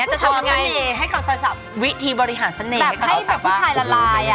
จะทำยังไง